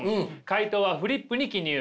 回答はフリップに記入。